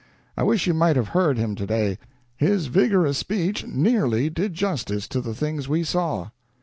I wish you might have heard him today. His vigorous speech nearly did justice to the things we saw."